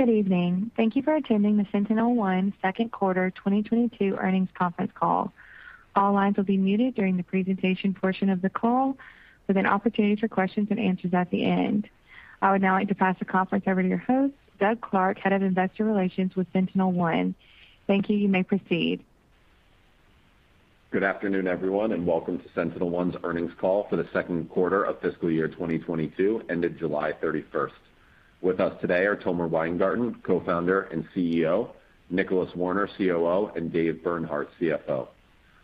Good evening. Thank you for attending the SentinelOne Second Quarter 2022 Earnings Conference Call. All lines will be muted during the presentation portion of the call, with an opportunity for questions and answers at the end. I would now like to pass the conference over to your host, Doug Clark, Head of Investor Relations with SentinelOne. Thank you. You may proceed. Good afternoon, everyone, and welcome to SentinelOne's Earnings Call for the Second Quarter of Fiscal Year 2022, ended July 31st. With us today are Tomer Weingarten, Co-founder and CEO, Nicholas Warner, COO, and Dave Bernhardt, CFO.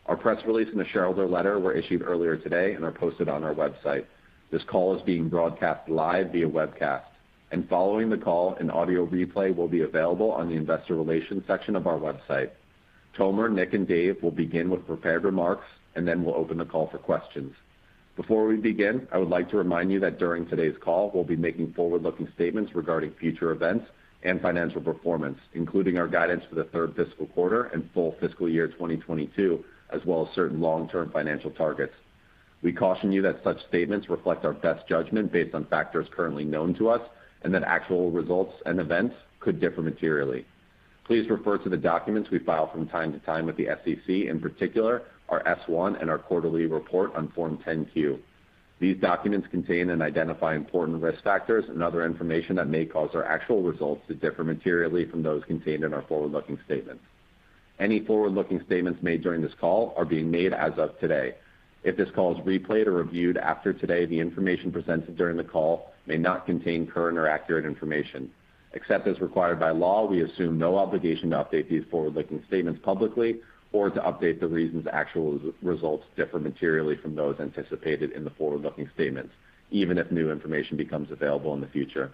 Our press release and the shareholder letter were issued earlier today and are posted on our website. This call is being broadcast live via webcast, and following the call, an audio replay will be available on the investor relations section of our website. Tomer, Nick, and Dave will begin with prepared remarks, and then we'll open the call for questions. Before we begin, I would like to remind you that during today's call, we'll be making forward-looking statements regarding future events and financial performance, including our guidance for the third fiscal quarter and full fiscal year 2022, as well as certain long-term financial targets. We caution you that such statements reflect our best judgment based on factors currently known to us, and that actual results and events could differ materially. Please refer to the documents we file from time to time with the SEC, in particular our S-1 and our quarterly report on Form 10-Q. These documents contain and identify important risk factors and other information that may cause our actual results to differ materially from those contained in our forward-looking statements. Any forward-looking statements made during this call are being made as of today. If this call is replayed or reviewed after today, the information presented during the call may not contain current or accurate information. Except as required by law, we assume no obligation to update these forward-looking statements publicly or to update the reasons actual results differ materially from those anticipated in the forward-looking statements, even if new information becomes available in the future.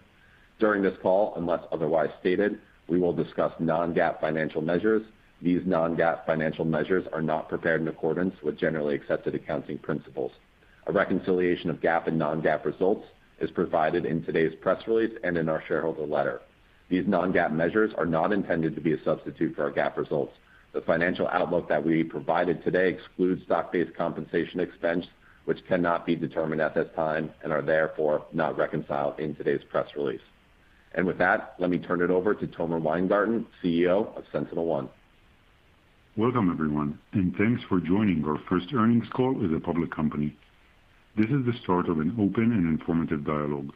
During this call, unless otherwise stated, we will discuss non-GAAP financial measures. These non-GAAP financial measures are not prepared in accordance with generally accepted accounting principles. A reconciliation of GAAP and non-GAAP results is provided in today's press release and in our shareholder letter. These non-GAAP measures are not intended to be a substitute for our GAAP results. The financial outlook that we provided today excludes stock-based compensation expense, which cannot be determined at this time and are therefore not reconciled in today's press release. With that, let me turn it over to Tomer Weingarten, CEO of SentinelOne. Welcome, everyone, thanks for joining our first earnings call as a public company. This is the start of an open and informative dialogue.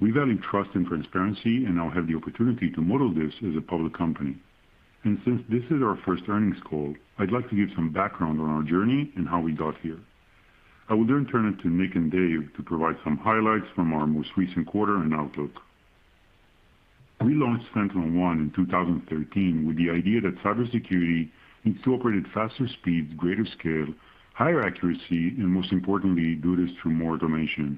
We value trust and transparency and now have the opportunity to model this as a public company. Since this is our first earnings call, I'd like to give some background on our journey and how we got here. I will turn it to Nick and Dave to provide some highlights from our most recent quarter and outlook. We launched SentinelOne in 2013 with the idea that cybersecurity needs to operate at faster speeds, greater scale, higher accuracy, and most importantly, do this through more automation.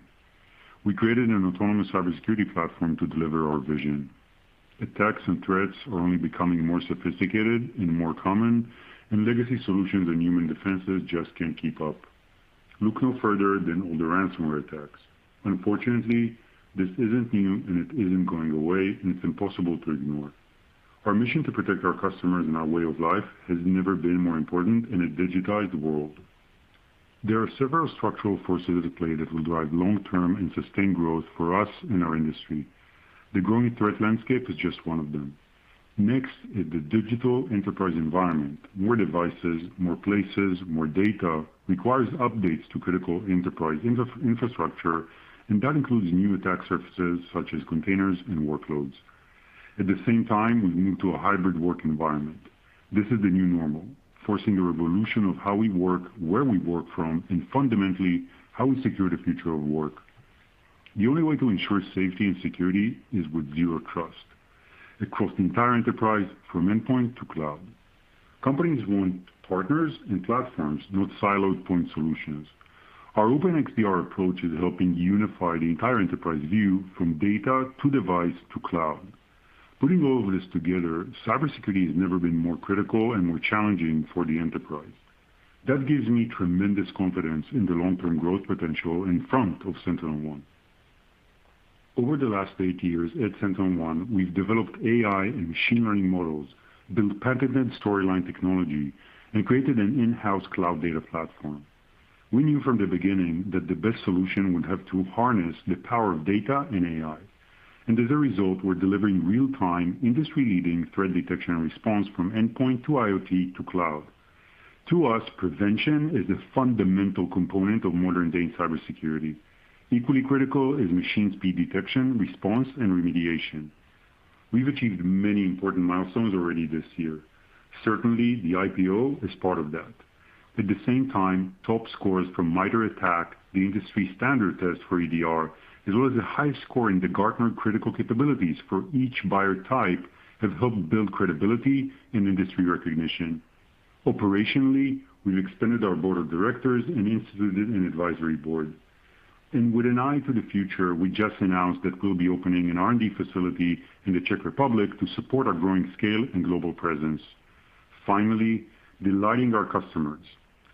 We created an autonomous cybersecurity platform to deliver our vision. Attacks and threats are only becoming more sophisticated and more common, and legacy solutions and human defenses just can't keep up. Look no further than all the ransomware attacks. Unfortunately, this isn't new and it isn't going away, and it's impossible to ignore. Our mission to protect our customers and our way of life has never been more important in a digitized world. There are several structural forces at play that will drive long-term and sustained growth for us and our industry. The growing threat landscape is just one of them. Next is the digital enterprise environment. More devices, more places, more data requires updates to critical enterprise infrastructure, and that includes new attack surfaces, such as containers and workloads. At the same time, we've moved to a hybrid work environment. This is the new normal, forcing a revolution of how we work, where we work from, and fundamentally, how we secure the future of work. The only way to ensure safety and security is with zero trust across the entire enterprise, from endpoint to cloud. Companies want partners and platforms, not siloed point solutions. Our open XDR approach is helping unify the entire enterprise view from data to device to cloud. Putting all of this together, cybersecurity has never been more critical and more challenging for the enterprise. That gives me tremendous confidence in the long-term growth potential in front of SentinelOne. Over the last eight years at SentinelOne, we've developed AI and machine learning models, built patented Storyline technology, and created an in-house cloud data platform. We knew from the beginning that the best solution would have to harness the power of data and AI, and as a result, we're delivering real-time, industry-leading threat detection and response from endpoint to IoT to cloud. To us, prevention is a fundamental component of modern-day cybersecurity. Equally critical is machine speed detection, response, and remediation. We've achieved many important milestones already this year. Certainly, the IPO is part of that. At the same time, top scores from MITRE ATT&CK, the industry standard test for EDR, as well as the highest score in the Gartner Critical Capabilities for each buyer type, have helped build credibility and industry recognition. Operationally, we've expanded our board of directors and instituted an advisory board. With an eye to the future, we just announced that we'll be opening an R&D facility in the Czech Republic to support our growing scale and global presence. Finally, delighting our customers.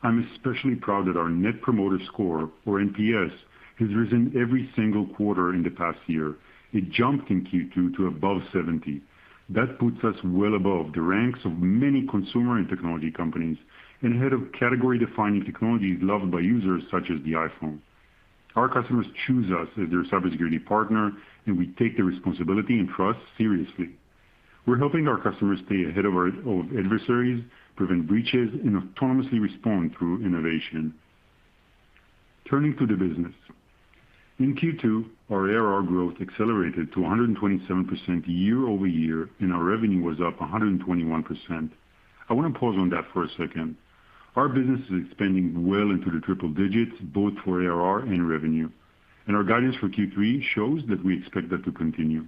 I'm especially proud that our net promoter score, or NPS, has risen every single quarter in the past year. It jumped in Q2 to above 70. That puts us well above the ranks of many consumer and technology companies and ahead of category-defining technologies loved by users such as the iPhone. Our customers choose us as their cybersecurity partner, and we take the responsibility and trust seriously. We're helping our customers stay ahead of adversaries, prevent breaches, and autonomously respond through innovation. Turning to the business. In Q2, our ARR growth accelerated to 127% year-over-year, and our revenue was up 121%. I want to pause on that for a second. Our business is expanding well into the triple digits, both for ARR and revenue. Our guidance for Q3 shows that we expect that to continue.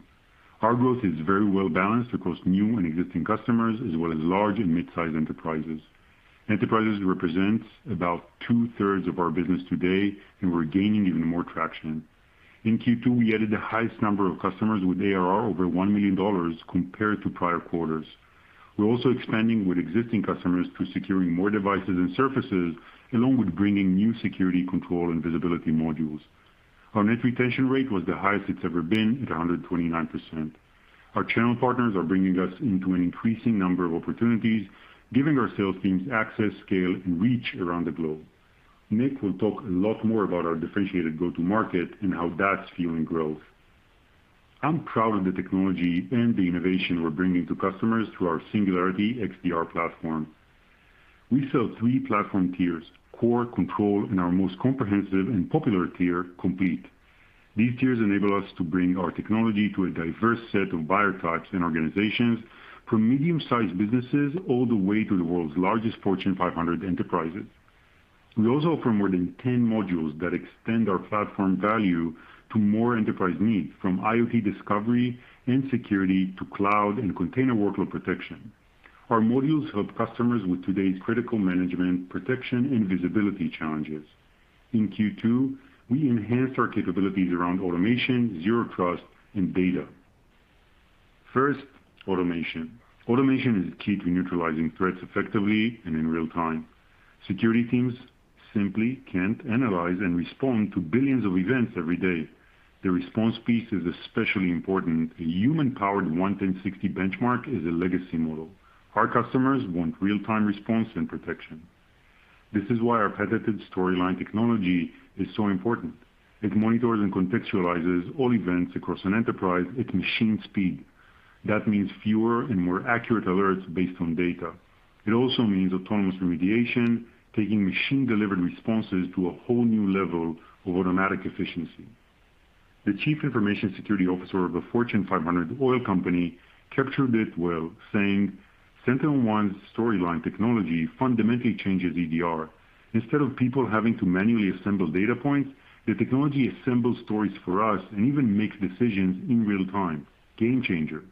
Our growth is very well-balanced across new and existing customers, as well as large and mid-size enterprises. Enterprises represent about 2/3 of our business today, and we're gaining even more traction. In Q2, we added the highest number of customers with ARR over $1 million compared to prior quarters. We're also expanding with existing customers to securing more devices and surfaces, along with bringing new security control and visibility modules. Our net retention rate was the highest it's ever been at 129%. Our channel partners are bringing us into an increasing number of opportunities, giving our sales teams access, scale, and reach around the globe. Nick will talk a lot more about our differentiated go-to market and how that's fueling growth. I'm proud of the technology and the innovation we're bringing to customers through our Singularity XDR platform. We sell three platform tiers, Core, Control, and our most comprehensive and popular tier, Complete. These tiers enable us to bring our technology to a diverse set of buyer types and organizations, from medium-sized businesses all the way to the world's largest Fortune 500 enterprises. We also offer more than 10 modules that extend our platform value to more enterprise needs, from IoT discovery and security to cloud and container workload protection. Our modules help customers with today's critical management, protection, and visibility challenges. In Q2, we enhanced our capabilities around automation, zero trust, and data. First, automation. Automation is key to neutralizing threats effectively and in real-time. Security teams simply can't analyze and respond to billions of events every day. The response piece is especially important. A human-powered 1-10-60 benchmark is a legacy model. Our customers want real-time response and protection. This is why our patented Storyline technology is so important. It monitors and contextualizes all events across an enterprise at machine speed. That means fewer and more accurate alerts based on data. It also means autonomous remediation, taking machine-delivered responses to a whole new level of automatic efficiency. The chief information security officer of a Fortune 500 oil company captured it well, saying, "SentinelOne's Storyline technology fundamentally changes EDR. Instead of people having to manually assemble data points, the technology assembles stories for us and even makes decisions in real-time. Game-changer."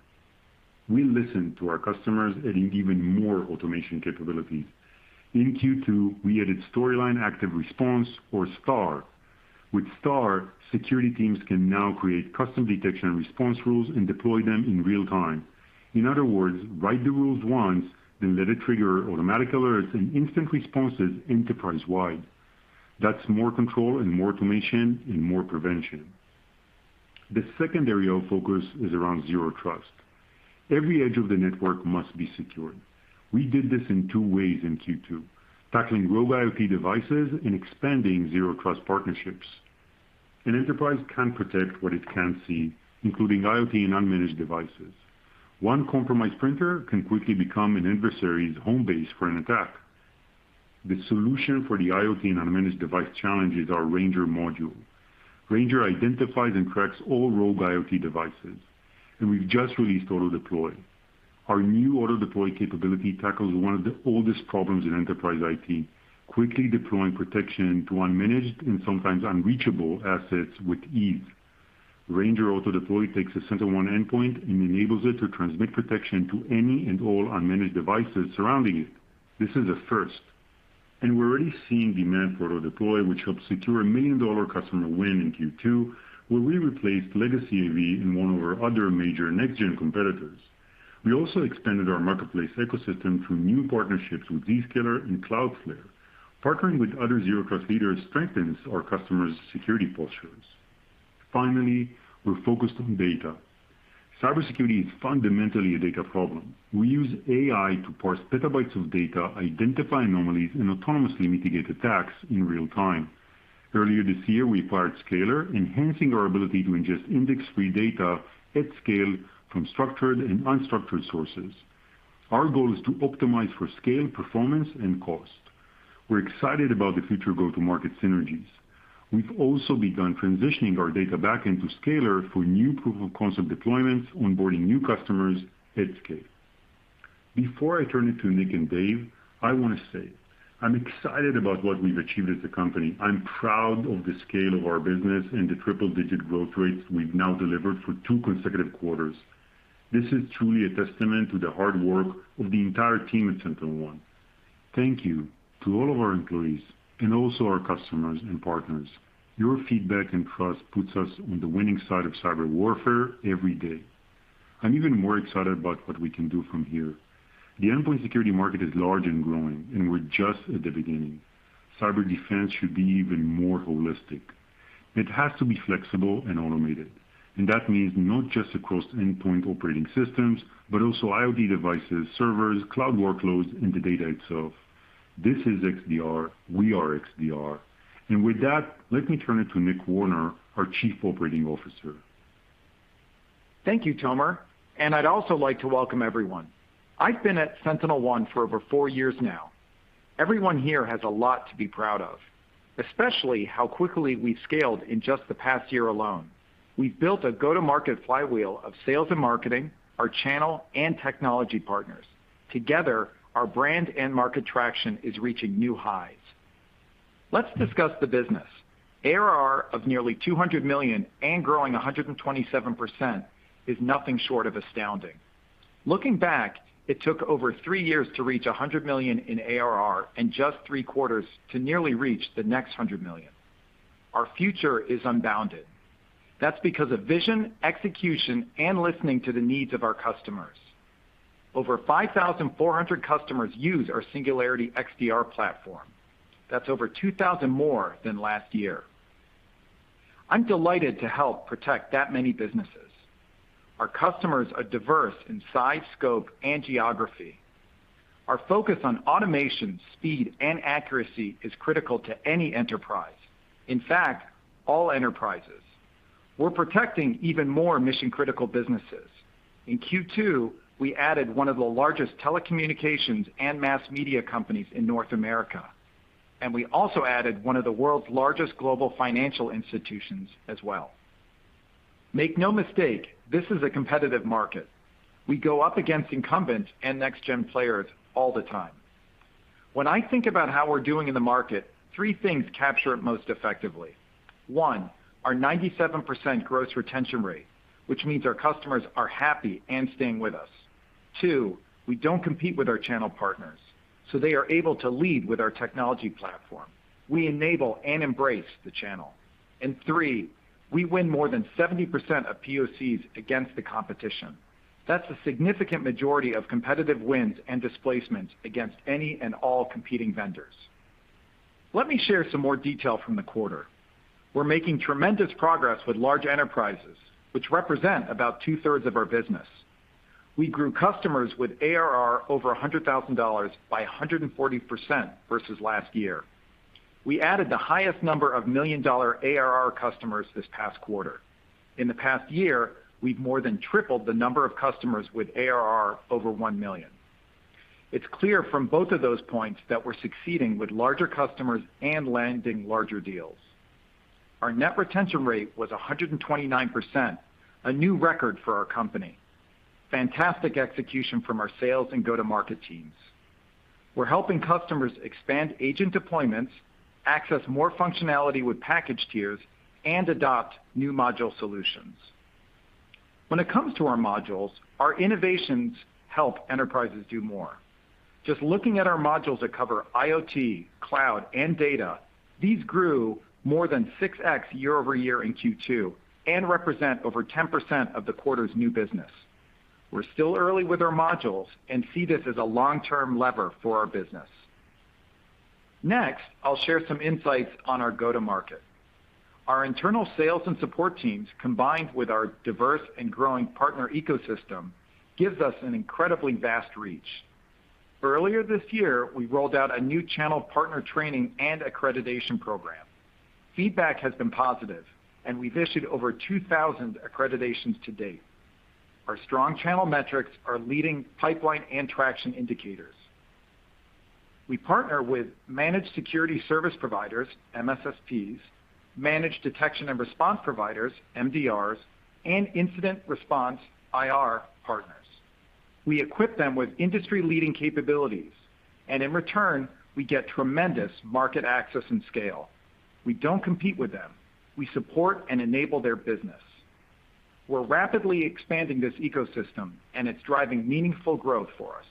We listen to our customers adding even more automation capabilities. In Q2, we added Storyline Active Response, or STAR. With STAR, security teams can now create custom detection response rules and deploy them in real-time. In other words, write the rules once, let it trigger automatic alerts and instant responses enterprise-wide. That's more control and more automation and more prevention. The second area of focus is around zero trust. Every edge of the network must be secured. We did this in two ways in Q2, tackling rogue IoT devices and expanding zero trust partnerships. An enterprise can't protect what it can't see, including IoT and unmanaged devices. One compromised printer can quickly become an adversary's home base for an attack. The solution for the IoT and unmanaged device challenge is our Ranger module. Ranger identifies and tracks all rogue IoT devices, and we've just released Auto Deploy. Our new Auto Deploy capability tackles one of the oldest problems in enterprise IT, quickly deploying protection to unmanaged and sometimes unreachable assets with ease. Ranger Auto Deploy takes a SentinelOne endpoint and enables it to transmit protection to any and all unmanaged devices surrounding it. This is a first, and we're already seeing demand for Auto Deploy, which helped secure a $1 million customer win in Q2, where we replaced legacy AV and one of our other major next-gen competitors. We also expanded our marketplace ecosystem through new partnerships with Zscaler and Cloudflare. Partnering with other zero trust leaders strengthens our customers' security postures. We're focused on data. Cybersecurity is fundamentally a data problem. We use AI to parse petabytes of data, identify anomalies, and autonomously mitigate attacks in real-time. Earlier this year, we acquired Scalyr, enhancing our ability to ingest index-free data at scale from structured and unstructured sources. Our goal is to optimize for scale, performance, and cost. We're excited about the future go-to-market synergies. We've also begun transitioning our data back into Scalyr for new proof-of-concept deployments, onboarding new customers at scale. Before I turn it to Nick and Dave, I want to say, I'm excited about what we've achieved as a company. I'm proud of the scale of our business and the triple-digit growth rates we've now delivered for two consecutive quarters. This is truly a testament to the hard work of the entire team at SentinelOne. Thank you to all of our employees and also our customers and partners. Your feedback and trust puts us on the winning side of cyber warfare every day. I'm even more excited about what we can do from here. The endpoint security market is large and growing, and we're just at the beginning. Cyber defense should be even more holistic. It has to be flexible and automated, and that means not just across endpoint operating systems, but also IoT devices, servers, cloud workloads, and the data itself. This is XDR, we are XDR. With that, let me turn it to Nick Warner, our Chief Operating Officer. Thank you, Tomer. I'd also like to welcome everyone. I've been at SentinelOne for over four years now. Everyone here has a lot to be proud of, especially how quickly we've scaled in just the past year alone. We've built a go-to-market flywheel of sales and marketing, our channel and technology partners. Together, our brand and market traction is reaching new highs. Let's discuss the business. ARR of nearly $200 million and growing 127% is nothing short of astounding. Looking back, it took over three years to reach $100 million in ARR and just three quarters to nearly reach the next $100 million. Our future is unbounded. That's because of vision, execution, and listening to the needs of our customers. Over 5,400 customers use our Singularity XDR platform. That's over 2,000 more than last year. I'm delighted to help protect that many businesses. Our customers are diverse in size, scope, and geography. Our focus on automation, speed, and accuracy is critical to any enterprise. In fact, all enterprises. We're protecting even more mission-critical businesses. In Q2, we added one of the largest telecommunications and mass media companies in North America, and we also added 1 of the world's largest global financial institutions as well. Make no mistake, this is a competitive market. We go up against incumbents and next-gen players all the time. When I think about how we're doing in the market, three things capture it most effectively. One, our 97% gross retention rate, which means our customers are happy and staying with us. Two, we don't compete with our channel partners. They are able to lead with our technology platform. We enable and embrace the channel and three, we win more than 70% of POCs against the competition. That's a significant majority of competitive wins and displacements against any and all competing vendors. Let me share some more detail from the quarter. We're making tremendous progress with large enterprises, which represent about 2/3 of our business. We grew customers with ARR over $100,000 by 140% versus last year. We added the highest number of million-dollar ARR customers this past quarter. In the past year, we've more than tripled the number of customers with ARR over $1 million. It's clear from both of those points that we're succeeding with larger customers and landing larger deals. Our net retention rate was 129%, a new record for our company. Fantastic execution from our sales and go-to-market teams. We're helping customers expand agent deployments, access more functionality with package tiers, and adopt new module solutions. When it comes to our modules, our innovations help enterprises do more. Just looking at our modules that cover IoT, cloud, and data, these grew more than 6x year-over-year in Q2 and represent over 10% of the quarter's new business. We're still early with our modules and see this as a long-term lever for our business. I'll share some insights on our go-to-market. Our internal sales and support teams, combined with our diverse and growing partner ecosystem, gives us an incredibly vast reach. Earlier this year, we rolled out a new channel partner training and accreditation program. Feedback has been positive, and we've issued over 2,000 accreditations to date. Our strong channel metrics are leading pipeline and traction indicators. We partner with managed security service providers, MSSPs, managed detection and response providers, MDRs, and incident response, IR partners. We equip them with industry-leading capabilities, and in return, we get tremendous market access and scale. We don't compete with them. We support and enable their business. We're rapidly expanding this ecosystem, and it's driving meaningful growth for us.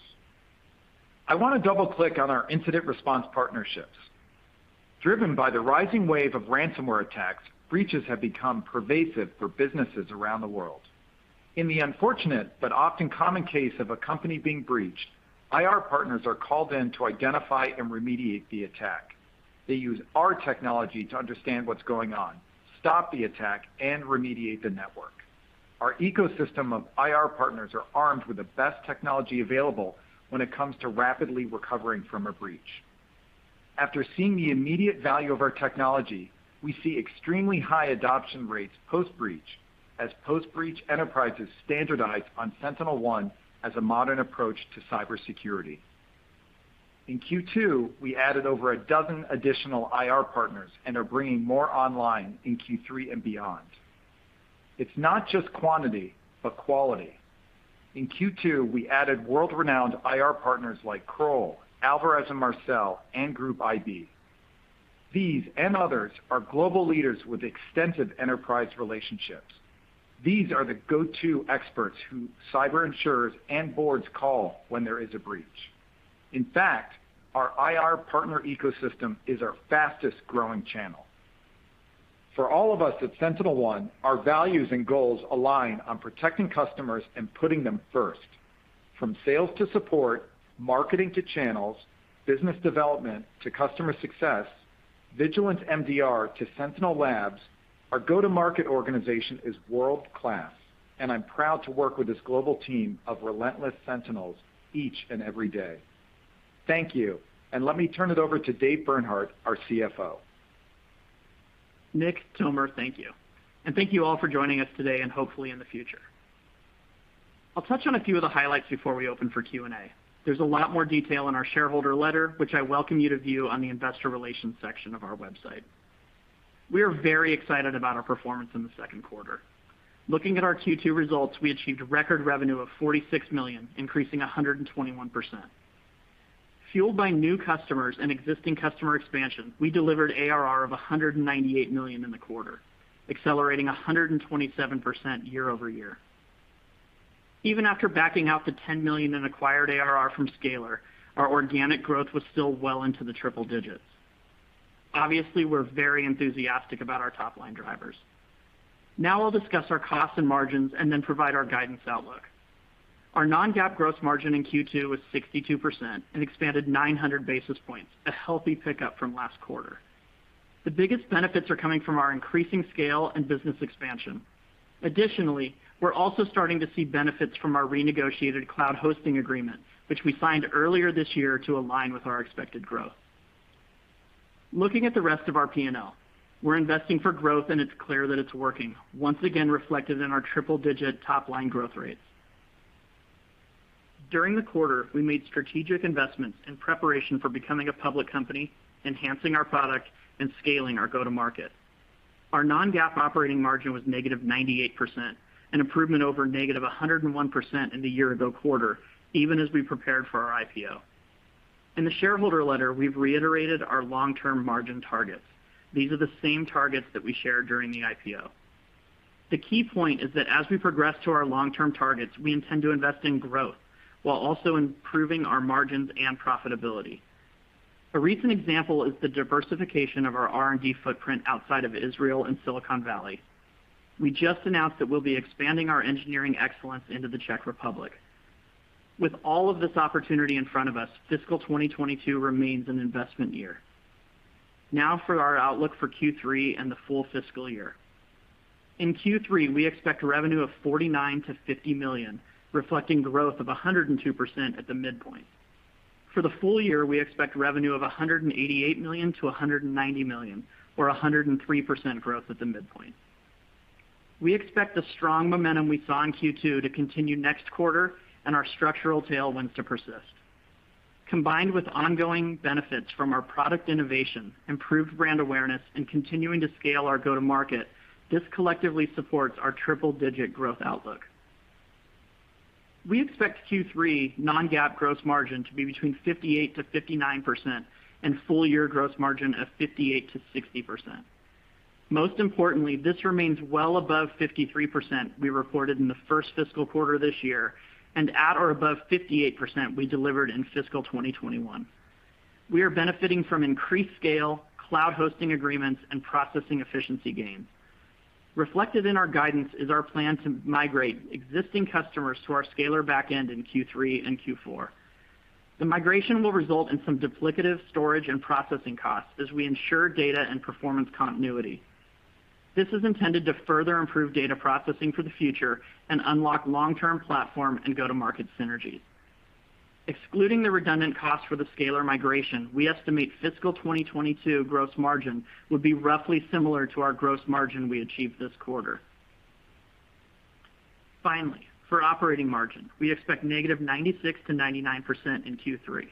I want to double-click on our incident response partnerships. Driven by the rising wave of ransomware attacks, breaches have become pervasive for businesses around the world. In the unfortunate but often common case of a company being breached, IR partners are called in to identify and remediate the attack. They use our technology to understand what's going on, stop the attack, and remediate the network. Our ecosystem of IR partners are armed with the best technology available when it comes to rapidly recovering from a breach. After seeing the immediate value of our technology, we see extremely high adoption rates post-breach, as post-breach enterprises standardize on SentinelOne as a modern approach to cybersecurity. In Q2, we added over a dozen additional IR partners and are bringing more online in Q3 and beyond. It's not just quantity, but quality. In Q2, we added world-renowned IR partners like Kroll, Alvarez & Marsal, and Group-IB. These and others are global leaders with extensive enterprise relationships. These are the go-to experts who cyber insurers and boards call when there is a breach. In fact, our IR partner ecosystem is our fastest growing channel. For all of us at SentinelOne, our values and goals align on protecting customers and putting them first. From sales to support, marketing to channels, business development to customer success Vigilance MDR to SentinelLabs, our go-to-market organization is world-class, and I'm proud to work with this global team of relentless Sentinels each and every day. Thank you, and let me turn it over to Dave Bernhardt, our CFO. Nick, Tomer, thank you. Thank you all for joining us today and hopefully in the future. I'll touch on a few of the highlights before we open for Q and A. There's a lot more detail in our shareholder letter, which I welcome you to view on the Investor Relations section of our website. We are very excited about our performance in the second quarter. Looking at our Q2 results, we achieved record revenue of $46 million, increasing 121%. Fueled by new customers and existing customer expansion, we delivered ARR of $198 million in the quarter, accelerating 127% year-over-year. Even after backing out the $10 million in acquired ARR from Scalyr, our organic growth was still well into the triple digits. Obviously, we're very enthusiastic about our top-line drivers. I'll discuss our costs and margins and then provide our guidance outlook. Our non-GAAP gross margin in Q2 was 62% and expanded 900 basis points, a healthy pickup from last quarter. The biggest benefits are coming from our increasing scale and business expansion. Additionally, we're also starting to see benefits from our renegotiated cloud hosting agreement, which we signed earlier this year to align with our expected growth. Looking at the rest of our P&L, we're investing for growth and it's clear that it's working, once again reflected in our triple-digit top-line growth rates. During the quarter, we made strategic investments in preparation for becoming a public company, enhancing our product, and scaling our go-to-market. Our non-GAAP operating margin was -98%, an improvement over -101% in the year-ago quarter, even as we prepared for our IPO. In the shareholder letter, we've reiterated our long-term margin targets. These are the same targets that we shared during the IPO. The key point is that as we progress to our long-term targets, we intend to invest in growth while also improving our margins and profitability. A recent example is the diversification of our R&D footprint outside of Israel and Silicon Valley. We just announced that we'll be expanding our engineering excellence into the Czech Republic. With all of this opportunity in front of us, fiscal 2022 remains an investment year. Now for our outlook for Q3 and the full fiscal year. In Q3, we expect revenue of $49 million-$50 million, reflecting growth of 102% at the midpoint. For the full year, we expect revenue of $188 million-$190 million or 103% growth at the midpoint. We expect the strong momentum we saw in Q2 to continue next quarter and our structural tailwinds to persist. Combined with ongoing benefits from our product innovation, improved brand awareness, and continuing to scale our go-to-market, this collectively supports our triple-digit growth outlook. We expect Q3 non-GAAP gross margin to be between 58%-59% and full-year gross margin of 58%-60%. Most importantly, this remains well above 53% we reported in the first fiscal quarter this year and at or above 58% we delivered in fiscal 2021. We are benefiting from increased scale, cloud hosting agreements, and processing efficiency gains. Reflected in our guidance is our plan to migrate existing customers to our Scalyr backend in Q3 and Q4. The migration will result in some duplicative storage and processing costs as we ensure data and performance continuity. This is intended to further improve data processing for the future and unlock long-term platform and go-to-market synergies. Excluding the redundant cost for the Scalyr migration, we estimate fiscal 2022 gross margin would be roughly similar to our gross margin we achieved this quarter. Finally, for operating margin, we expect -96% to -99% in Q3.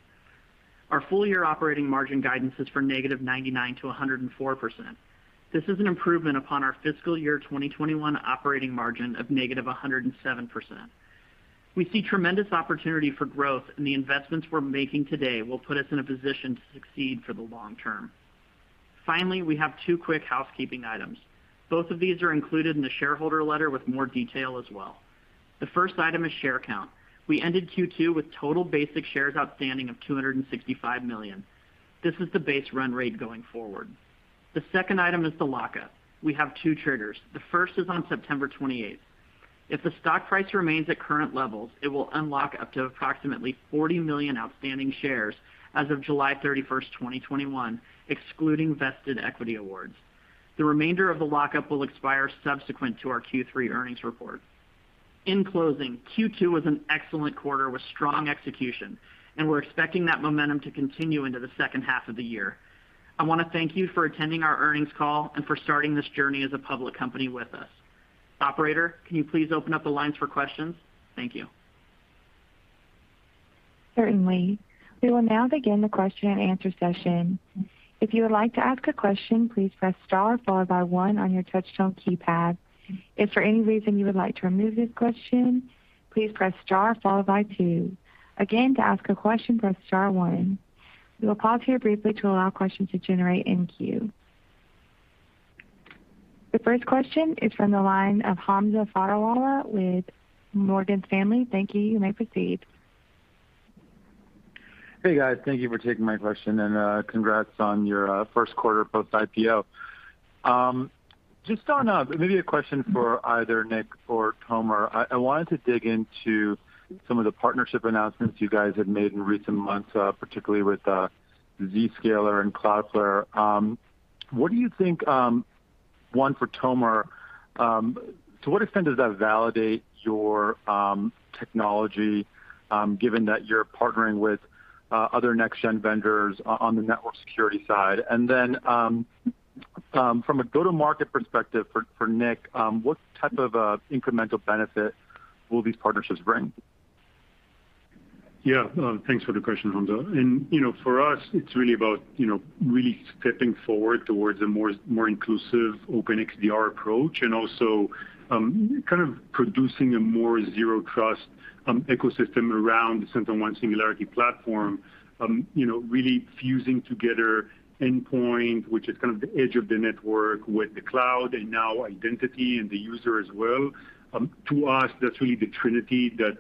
Our full-year operating margin guidance is for -99% to -104%. This is an improvement upon our fiscal year 2021 operating margin of -107%. We see tremendous opportunity for growth. The investments we're making today will put us in a position to succeed for the long term. Finally, we have two quick housekeeping items. Both of these are included in the shareholder letter with more detail as well. The first item is share count. We ended Q2 with total basic shares outstanding of 265 million. This is the base run rate going forward. The second item is the lock-up. We have two triggers. The first is on September 28th. If the stock price remains at current levels, it will unlock up to approximately 40 million outstanding shares as of July 31st, 2021, excluding vested equity awards. The remainder of the lock-up will expire subsequent to our Q3 earnings report. In closing, Q2 was an excellent quarter with strong execution, and we're expecting that momentum to continue into the second half of the year. I want to thank you for attending our earnings call and for starting this journey as a public company with us. Operator, can you please open up the lines for questions? Thank you. Certainly. We will now begin the question and answer session. We will pause here briefly to allow questions to generate in queue. The first question is from the line of Hamza Fodderwala with Morgan Stanley. Thank you. You may proceed. Hey, guys. Thank you for taking my question, and congrats on your first quarter post-IPO. On a, maybe a question for either Nick or Tomer. I wanted to dig into some of the partnership announcements you guys have made in recent months, particularly with Zscaler and Cloudflare. What do you think, one for Tomer, to what extent does that validate your technology, given that you're partnering with other next gen vendors on the network security side? From a go-to-market perspective, for Nick, what type of incremental benefit will these partnerships bring? Yeah. Thanks for the question, Hamza. For us, it's really about really stepping forward towards a more inclusive open XDR approach and also kind of producing a more zero trust ecosystem around the SentinelOne Singularity platform. Really fusing together endpoint, which is kind of the edge of the network, with the cloud, and now identity and the user as well. To us, that's really the trinity that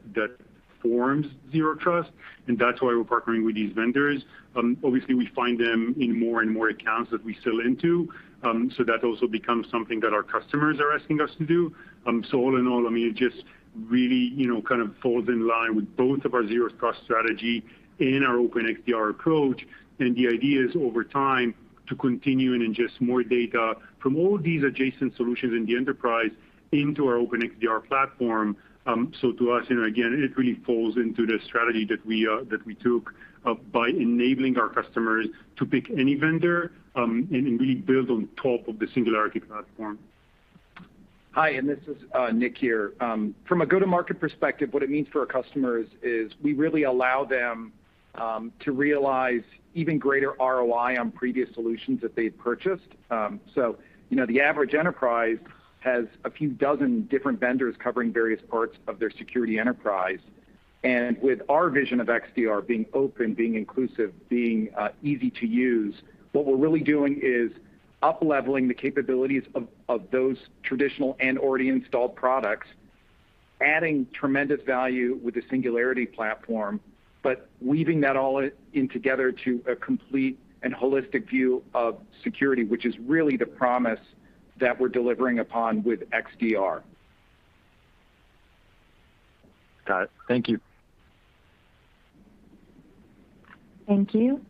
forms zero trust, and that's why we're partnering with these vendors. Obviously, we find them in more and more accounts that we sell into. That also becomes something that our customers are asking us to do. All in all, it just really kind of falls in line with both of our zero trust strategy and our open XDR approach. The idea is, over time, to continue and ingest more data from all these adjacent solutions in the enterprise into our open XDR platform. To us, again, it really falls into the strategy that we took by enabling our customers to pick any vendor, and really build on top of the Singularity platform. Hi, this is Nick here. From a go-to-market perspective, what it means for our customers is we really allow them to realize even greater ROI on previous solutions that they've purchased. The average enterprise has a few dozen different vendors covering various parts of their security enterprise. With our vision of XDR being open, being inclusive, being easy to use, what we're really doing is up-leveling the capabilities of those traditional and already installed products, adding tremendous value with the Singularity platform, but weaving that all in together to a complete and holistic view of security, which is really the promise that we're delivering upon with XDR. Got it. Thank you. Thank you.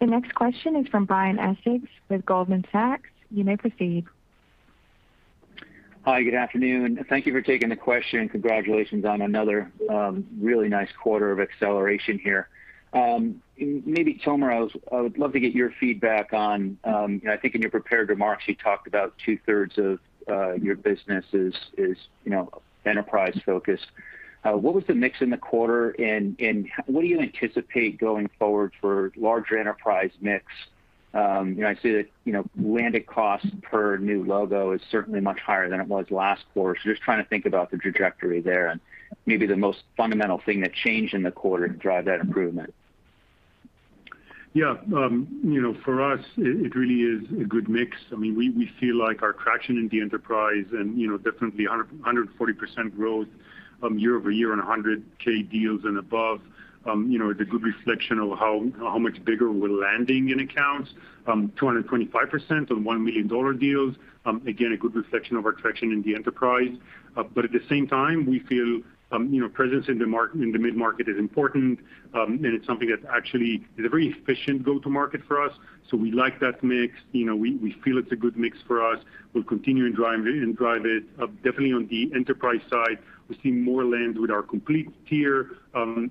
The next question is from Brian Essex with Goldman Sachs. You may proceed. Hi, good afternoon. Thank you for taking the question. Congratulations on another really nice quarter of acceleration here. Maybe Tomer, I would love to get your feedback on, I think in your prepared remarks, you talked about 2/3 of your business is enterprise-focused. What was the mix in the quarter, and what do you anticipate going forward for larger enterprise mix? I see that landed cost per new logo is certainly much higher than it was last quarter. Just trying to think about the trajectory there and maybe the most fundamental thing that changed in the quarter to drive that improvement. Yeah. For us, it really is a good mix. We feel like our traction in the enterprise and definitely 140% growth year-over-year on 100K deals and above, is a good reflection of how much bigger we're landing in accounts. 225% on one million deals. Again, a good reflection of our traction in the enterprise. At the same time, we feel presence in the mid-market is important. It's something that actually is a very efficient go-to-market for us. We like that mix. We feel it's a good mix for us. We'll continue and drive it. Definitely on the enterprise side, we're seeing more land with our Complete tier,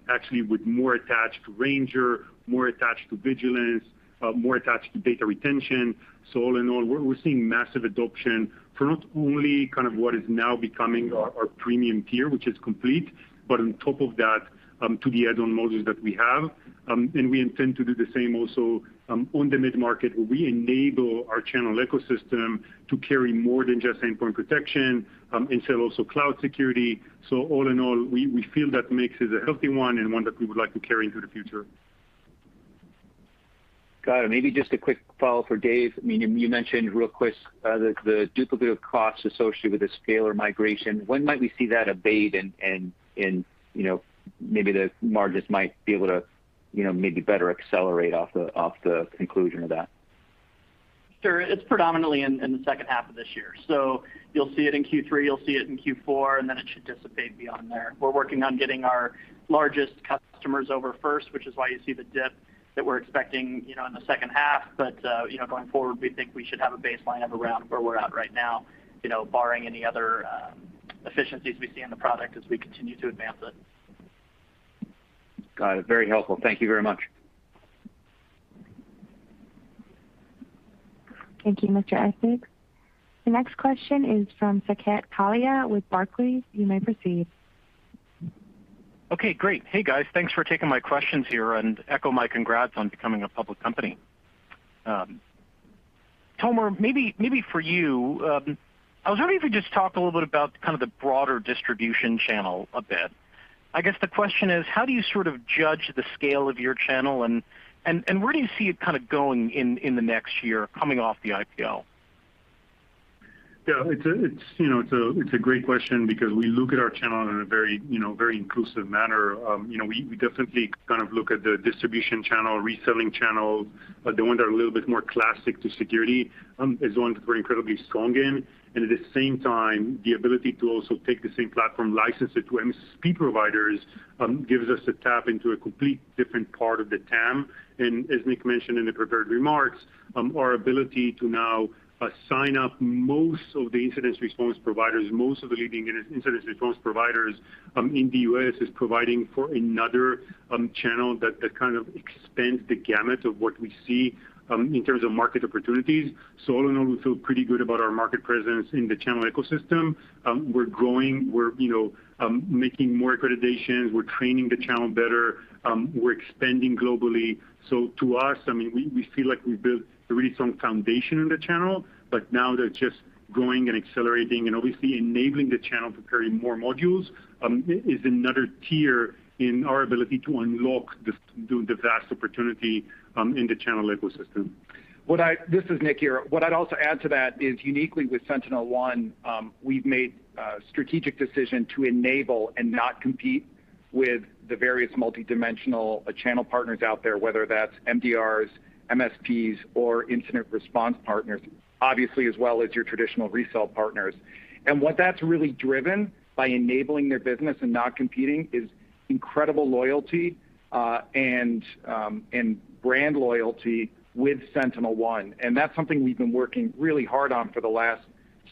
actually with more attached to Ranger, more attached to Vigilance, more attached to data retention. All in all, we're seeing massive adoption for not only kind of what is now becoming our premium tier, which is Complete, but on top of that, to the add-on modules that we have. We intend to do the same also on the mid-market, where we enable our channel ecosystem to carry more than just endpoint protection, and sell also cloud security. All in all, we feel that mix is a healthy one and one that we would like to carry into the future. Got it. Maybe just a quick follow for Dave. You mentioned real quick the duplicative costs associated with the Scalyr migration. When might we see that abate and maybe the margins might be able to maybe better accelerate off the conclusion of that? Sure. It's predominantly in the second half of this year. You'll see it in Q3, you'll see it in Q4, and then it should dissipate beyond there. We're working on getting our largest customers over first, which is why you see the dip that we're expecting in the second half. Going forward, we think we should have a baseline of around where we're at right now, barring any other efficiencies we see in the product as we continue to advance it. Got it. Very helpful. Thank you very much. Thank you, Mr. Essex. The next question is from Saket Kalia with Barclays. You may proceed. Okay, great. Hey, guys. Thanks for taking my questions here, and echo my congrats on becoming a public company. Tomer, maybe for you. I was wondering if you could just talk a little bit about kind of the broader distribution channel a bit. I guess the question is: How do you sort of judge the scale of your channel, and where do you see it kind of going in the next year coming off the IPO? Yeah. It's a great question because we look at our channel in a very inclusive manner. We definitely look at the distribution channel, reselling channel, the ones that are a little bit more classic to security as ones we're incredibly strong in. At the same time, the ability to also take the same platform, license it to MSP providers, gives us a tap into a complete different part of the TAM. As Nick mentioned in the prepared remarks, our ability to now sign up most of the incident response providers, most of the leading incident response providers in the U.S. is providing for another channel that kind of expands the gamut of what we see in terms of market opportunities. All in all, we feel pretty good about our market presence in the channel ecosystem. We're growing. We're making more accreditations. We're training the channel better. We're expanding globally. To us, we feel like we've built a really strong foundation in the channel, but now they're just growing and accelerating and obviously enabling the channel to carry more modules is another tier in our ability to unlock the vast opportunity in the channel ecosystem. Thi1s is Nick here. What I'd also add to that is uniquely with SentinelOne, we've made a strategic decision to enable and not compete with the various multidimensional channel partners out there, whether that's MDRs, MSPs, or incident response partners, obviously as well as your traditional resell partners. What that's really driven by enabling their business and not competing is incredible loyalty, and brand loyalty with SentinelOne. That's something we've been working really hard on for the last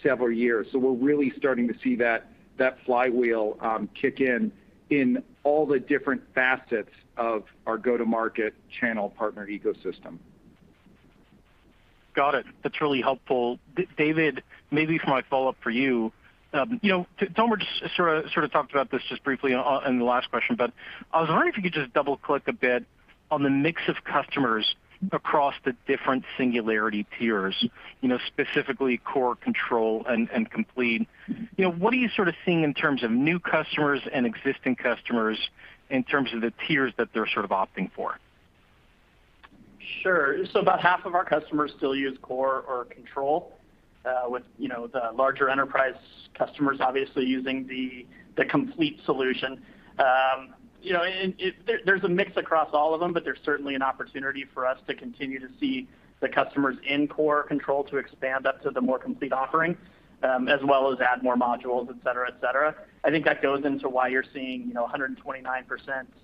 several years. We're really starting to see that flywheel kick in all the different facets of our go-to-market channel partner ecosystem. Got it. That's really helpful. Dave, maybe for my follow-up for you. Tomer just sort of talked about this just briefly in the last question, but I was wondering if you could just double-click a bit on the mix of customers across the different Singularity tiers, specifically Core, Control, and Complete. What are you sort of seeing in terms of new customers and existing customers in terms of the tiers that they're sort of opting for? Sure. About half of our customers still use Core or Control, with the larger enterprise customers obviously using the Complete solution. There's a mix across all of them, but there's certainly an opportunity for us to continue to see the customers in Core or Control to expand up to the more Complete offering, as well as add more modules, et cetera. I think that goes into why you're seeing 129%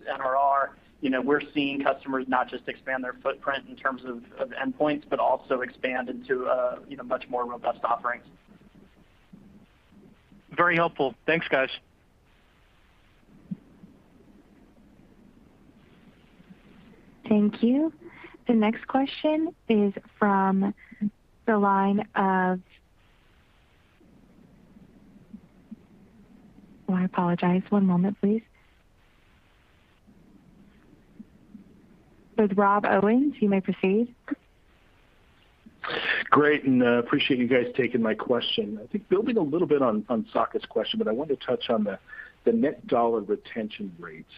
NRR. We're seeing customers not just expand their footprint in terms of endpoints, but also expand into much more robust offerings. Very helpful. Thanks, guys. Thank you. The next question is from the line of Oh, I apologize. One moment, please. It's Rob Owens, you may proceed. Great, appreciate you guys taking my question. I think building a little bit on Saket's question, but I wanted to touch on the net dollar retention rates.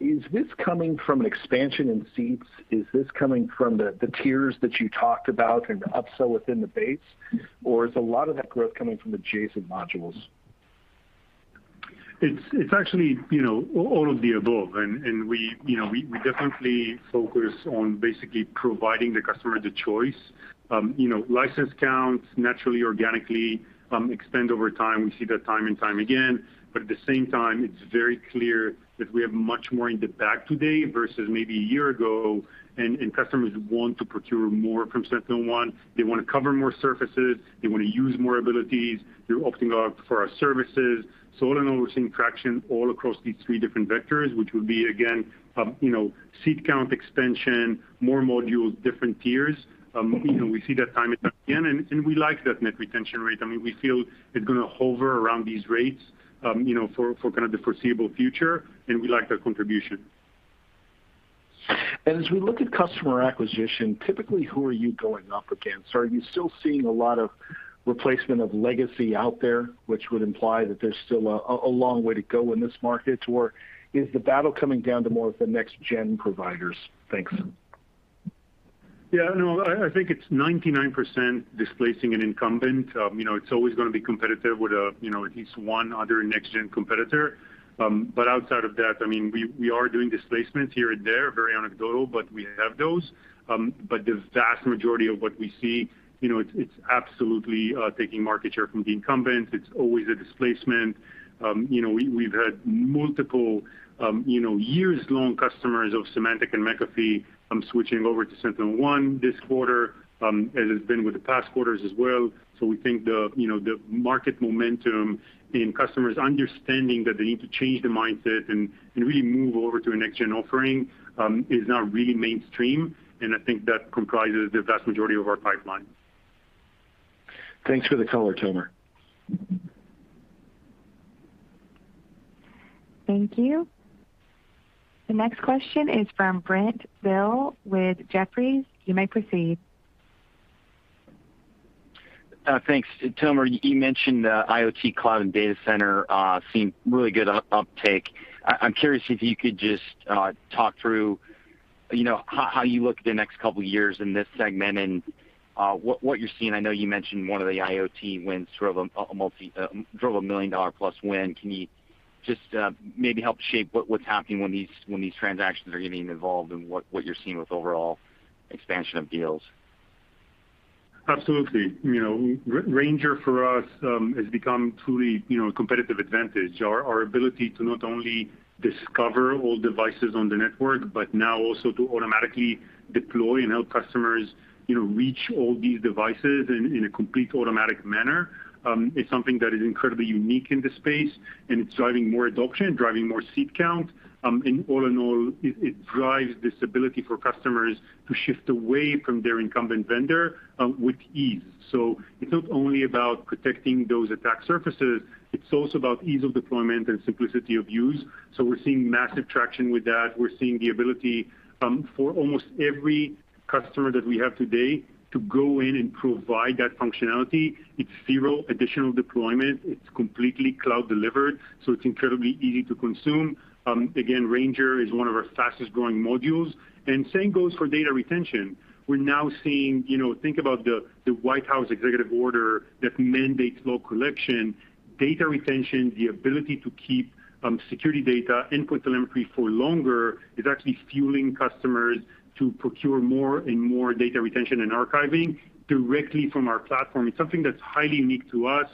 Is this coming from an expansion in seats? Is this coming from the tiers that you talked about and the upsell within the base, or is a lot of that growth coming from adjacent modules? It's actually all of the above, and we definitely focus on basically providing the customer the choice. License counts naturally, organically expand over time. We see that time and time again. At the same time, it's very clear that we have much more in the bag today versus maybe a year ago, and customers want to procure more from SentinelOne. They want to cover more surfaces. They want to use more abilities. They're opting out for our services. All in all, we're seeing traction all across these three different vectors, which would be, again, seat count expansion, more modules, different tiers. We see that time and time again, and we like that net retention rate. We feel it's going to hover around these rates for the foreseeable future, and we like that contribution. As we look at customer acquisition, typically, who are you going up against? Are you still seeing a lot of replacement of legacy out there, which would imply that there's still a long way to go in this market, or is the battle coming down to more of the next-gen providers? Thanks. I think it's 99% displacing an incumbent. It's always going to be competitive with at least one other next-gen competitor. Outside of that, we are doing displacements here and there. Very anecdotal, but we have those. The vast majority of what we see, it's absolutely taking market share from the incumbents. It's always a displacement. We've had multiple years-long customers of Symantec and McAfee switching over to SentinelOne this quarter, as has been with the past quarters as well. We think the market momentum and customers understanding that they need to change the mindset and really move over to a next-gen offering is now really mainstream, and I think that comprises the vast majority of our pipeline. Thanks for the color, Tomer. Thank you. The next question is from Brent Thill with Jefferies. You may proceed. Thanks. Tomer, you mentioned IoT, cloud, and data center seeing really good uptake. I'm curious if you could just talk through how you look at the next couple of years in this segment and what you're seeing. I know you mentioned one of the IoT wins drove a million-dollar-plus win. Can you just maybe help shape what's happening when these transactions are getting involved, and what you're seeing with overall expansion of deals? Absolutely. Ranger for us has become truly a competitive advantage. Our ability to not only discover all devices on the network, but now also to automatically deploy and help customers reach all these devices in a complete automatic manner, is something that is incredibly unique in this space. It's driving more adoption, driving more seat count. All in all, it drives this ability for customers to shift away from their incumbent vendor with ease. It's not only about protecting those attack surfaces, it's also about ease of deployment and simplicity of use. We're seeing massive traction with that. We're seeing the ability for almost every customer that we have today to go in and provide that functionality. It's zero additional deployment. It's completely cloud delivered, so it's incredibly easy to consume. Again, Ranger is one of our fastest-growing modules. Same goes for data retention. Think about the White House executive order that mandates log collection, data retention, the ability to keep security data, endpoint telemetry for longer, is actually fueling customers to procure more and more data retention and archiving directly from our platform. It's something that's highly unique to us.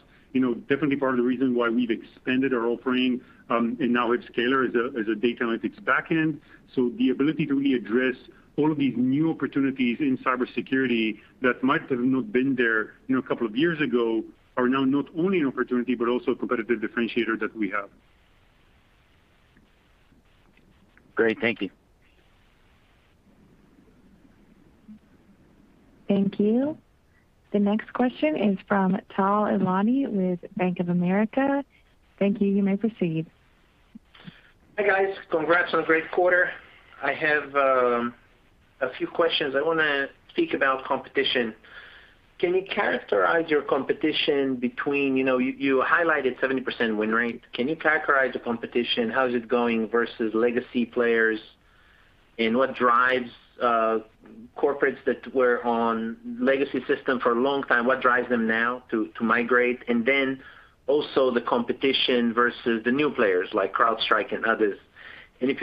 Definitely part of the reason why we've expanded our offering, and now with Scalyr as a data analytics backend. The ability to really address all of these new opportunities in cybersecurity that might have not been there a couple of years ago, are now not only an opportunity, but also a competitive differentiator that we have. Great. Thank you. Thank you. The next question is from Tal Liani with Bank of America. Thank you. You may proceed. Hi, guys. Congrats on a great quarter. I have a few questions. I want to speak about competition. You highlighted 70% win rate. Can you characterize the competition? How is it going versus legacy players, and what drives corporates that were on legacy system for a long time, what drives them now to migrate? Also the competition versus the new players like CrowdStrike and others. You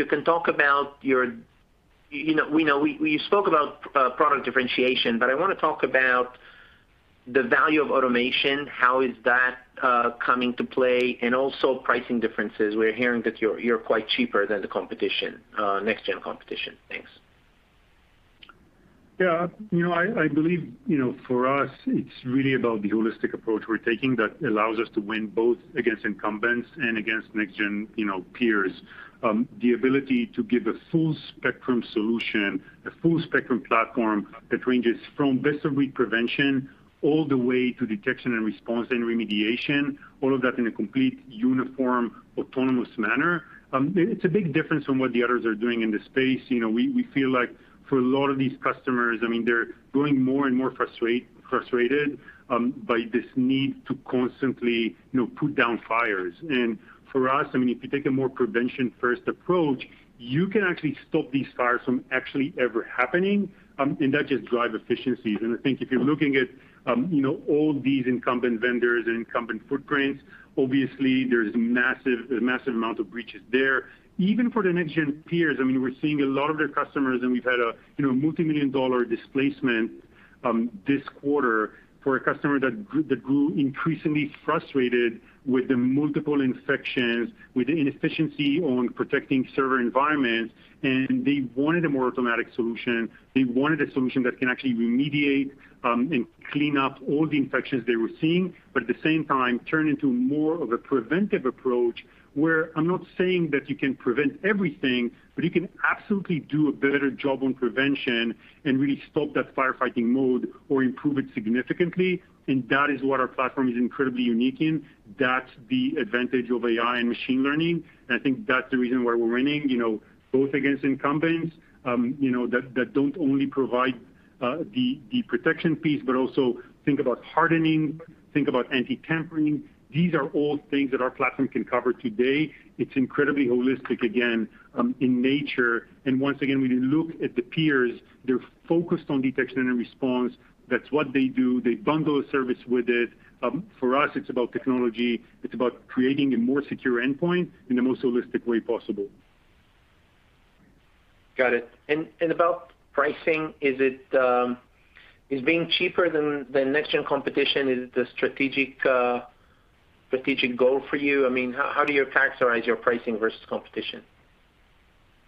spoke about product differentiation, but I want to talk about the value of automation. How is that coming to play? Also pricing differences. We're hearing that you're quite cheaper than the next-gen competition. Thanks. Yeah. I believe for us, it's really about the holistic approach we're taking that allows us to win both against incumbents and against next-gen peers. The ability to give a full spectrum solution, a full spectrum platform that ranges from best-of-breed prevention all the way to detection and response and remediation, all of that in a complete uniform, autonomous manner. It's a big difference from what the others are doing in the space. We feel like for a lot of these customers, they're growing more and more frustrated by this need to constantly put down fires. For us, if you take a more prevention-first approach, you can actually stop these fires from actually ever happening, and that just drives efficiencies. I think if you're looking at all these incumbent vendors and incumbent footprints, obviously there's massive amount of breaches there. Even for the next-gen peers, we're seeing a lot of their customers, and we've had a multimillion-dollar displacement this quarter for a customer that grew increasingly frustrated with the multiple infections, with the inefficiency on protecting server environments, and they wanted a more automatic solution. They wanted a solution that can actually remediate and clean up all the infections they were seeing, but at the same time, turn into more of a preventive approach, where I'm not saying that you can prevent everything, but you can absolutely do a better job on prevention and really stop that firefighting mode or improve it significantly. That is what our platform is incredibly unique in. That's the advantage of AI and machine learning, and I think that's the reason why we're winning both against incumbents that don't only provide the protection piece, but also think about hardening, think about anti-tampering. These are all things that our platform can cover today. It's incredibly holistic, again, in nature. Once again, when you look at the peers, they're focused on detection and response. That's what they do. They bundle a service with it. For us, it's about technology. It's about creating a more secure endpoint in the most holistic way possible. Got it. About pricing, is being cheaper than next-gen competition is the strategic goal for you? How do you characterize your pricing versus competition?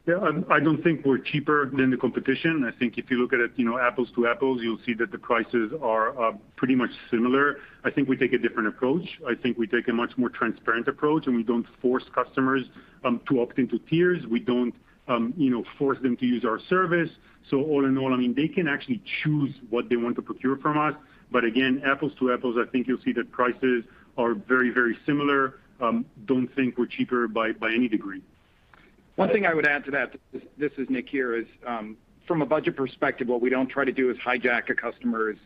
Yeah. I don't think we're cheaper than the competition. I think if you look at it apples to apples, you'll see that the prices are pretty much similar. I think we take a different approach. I think we take a much more transparent approach, and we don't force customers to opt into tiers. We don't force them to use our service. All in all, they can actually choose what they want to procure from us. Again, apples to apples, I think you'll see that prices are very similar. Don't think we're cheaper by any degree. One thing I would add to that, this is Nick here, is from a budget perspective, what we don't try to do is hijack a customer's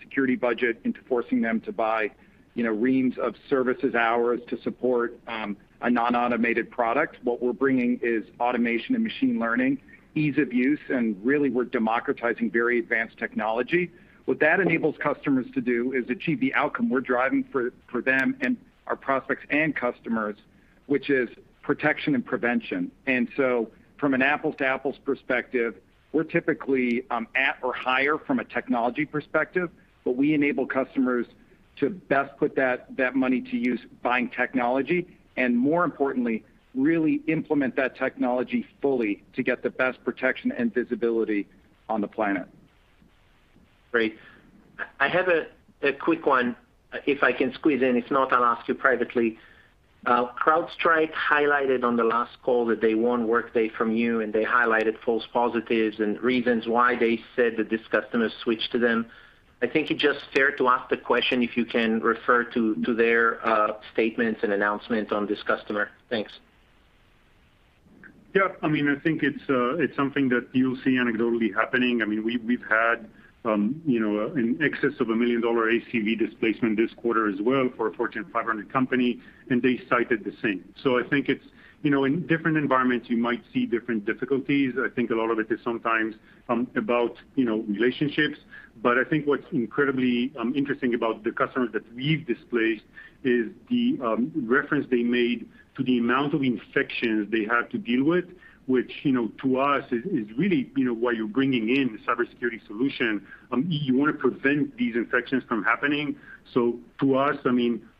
security budget into forcing them to buy reams of services hours to support a non-automated product. What we're bringing is automation and machine learning, ease of use, and really we're democratizing very advanced technology. What that enables customers to do is achieve the outcome we're driving for them and our prospects and customers, which is protection and prevention. From an apples-to-apples perspective, we're typically at or higher from a technology perspective, but we enable customers to best put that money to use buying technology, and more importantly, really implement that technology fully to get the best protection and visibility on the planet. Great. I have a quick one, if I can squeeze in. If not, I'll ask you privately. CrowdStrike highlighted on the last call that they won Workday from you. They highlighted false positives and reasons why they said that this customer switched to them. I think it's just fair to ask the question, if you can refer to their statements and announcements on this customer. Thanks. Yeah. I think it's something that you'll see anecdotally happening. We've had in excess of a million dollar ACV displacement this quarter as well for a Fortune 500 company, and they cited the same. I think in different environments, you might see different difficulties. I think a lot of it is sometimes about relationships. I think what's incredibly interesting about the customers that we've displaced is the reference they made to the amount of infections they had to deal with, which, to us, is really why you're bringing in a cybersecurity solution. You want to prevent these infections from happening. To us,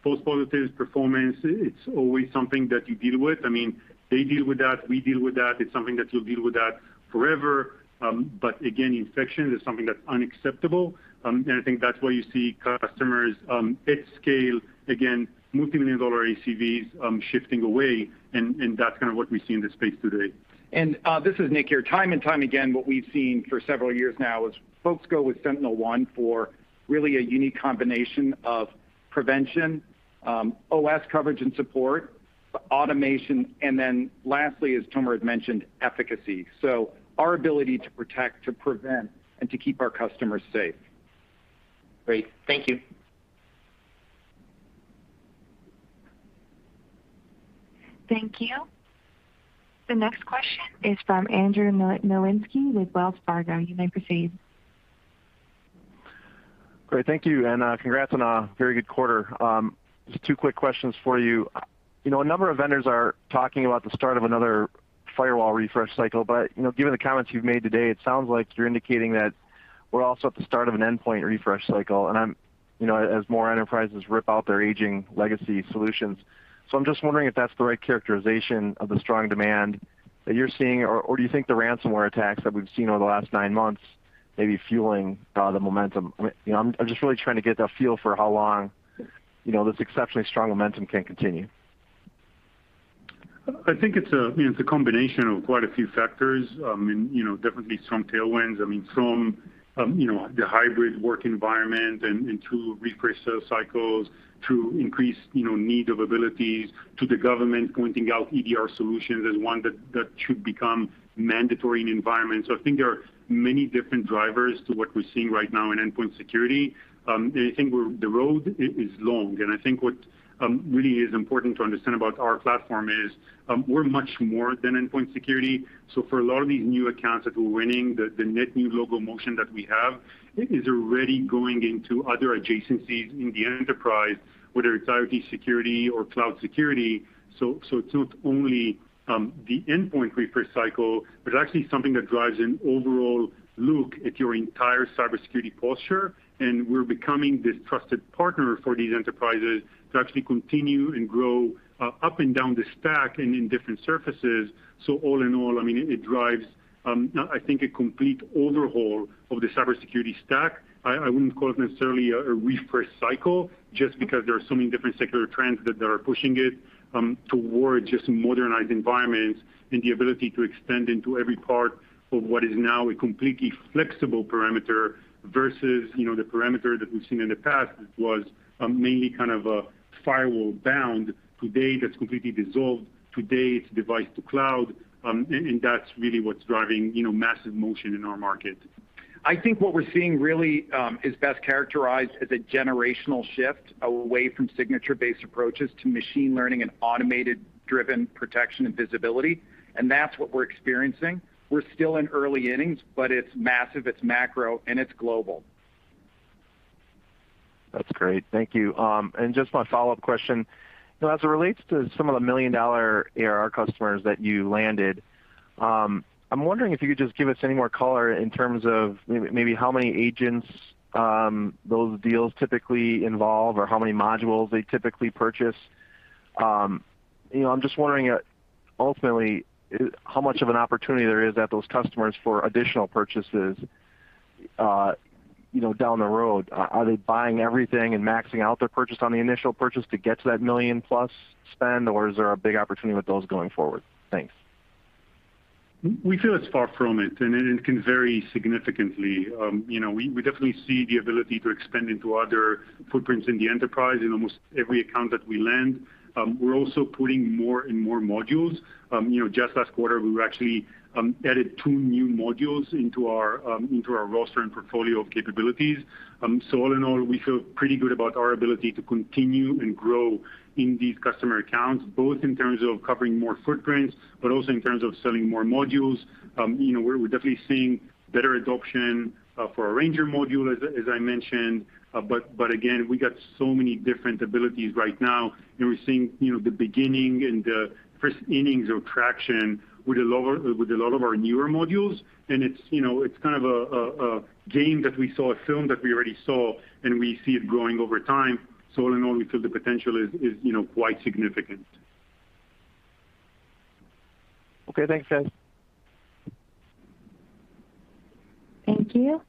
false positives, performance, it's always something that you deal with. They deal with that. We deal with that. It's something that you'll deal with that forever. Again, infection is something that's unacceptable. I think that's why you see customers at scale, again, multimillion-dollar ACVs shifting away, and that's kind of what we see in this space today. This is Nick here. Time and time again, what we've seen for several years now is folks go with SentinelOne for really a unique combination of prevention, OS coverage and support, automation, and then lastly, as Tomer has mentioned, efficacy. Our ability to protect, to prevent, and to keep our customers safe. Great. Thank you. Thank you. The next question is from Andrew Nowinski with Wells Fargo. You may proceed. Great. Thank you, congrats on a very good quarter. Just two quick questions for you. A number of vendors are talking about the start of another firewall refresh cycle, given the comments you've made today, it sounds like you're indicating that we're also at the start of an endpoint refresh cycle as more enterprises rip out their aging legacy solutions. I'm just wondering if that's the right characterization of the strong demand that you're seeing, or do you think the ransomware attacks that we've seen over the last nine months may be fueling the momentum? I'm just really trying to get a feel for how long this exceptionally strong momentum can continue. I think it's a combination of quite a few factors, definitely some tailwinds from the hybrid work environment and two refresh sales cycles to increased need of abilities to the government pointing out EDR solutions as one that should become mandatory in the environment. I think there are many different drivers to what we're seeing right now in endpoint security. I think the road is long, and I think what really is important to understand about our platform is we're much more than endpoint security. For a lot of these new accounts that we're winning, the net new logo motion that we have is already going into other adjacencies in the enterprise, whether it's IoT security or cloud security. It's not only the endpoint refresh cycle, but actually something that drives an overall look at your entire cybersecurity posture, and we're becoming this trusted partner for these enterprises to actually continue and grow up and down this stack and in different surfaces. All in all, it drives, I think, a complete overhaul of the cybersecurity stack. I wouldn't call it necessarily a refresh cycle just because there are so many different secular trends that are pushing it towards just modernized environments and the ability to extend into every part of what is now a completely flexible perimeter versus the perimeter that we've seen in the past. It was mainly kind of a firewall-bound. Today, that's completely dissolved. Today, it's device to cloud. That's really what's driving massive motion in our market. I think what we're seeing really is best characterized as a generational shift away from signature-based approaches to machine learning and automated-driven protection and visibility, and that's what we're experiencing. We're still in early innings, but it's massive, it's macro, and it's global. That's great. Thank you. Just my follow-up question. As it relates to some of the million dollar ARR customers that you landed, I'm wondering if you could just give us any more color in terms of maybe how many agents those deals typically involve or how many modules they typically purchase. I'm just wondering ultimately how much of an opportunity there is at those customers for additional purchases down the road. Are they buying everything and maxing out their purchase on the initial purchase to get to that million-plus spend, or is there a big opportunity with those going forward? Thanks. We feel it's far from it, and it can vary significantly. We definitely see the ability to expand into other footprints in the enterprise in almost every account that we land. We're also putting more and more modules. Just last quarter, we actually added two new modules into our roster and portfolio of capabilities. All in all, we feel pretty good about our ability to continue and grow in these customer accounts, both in terms of covering more footprints but also in terms of selling more modules. We're definitely seeing better adoption for our Ranger module, as I mentioned. Again, we got so many different abilities right now, and we're seeing the beginning and the first innings of traction with a lot of our newer modules, and it's kind of a film that we already saw, and we see it growing over time. All in all, we feel the potential is quite significant. Okay. Thanks, guys. Thank you.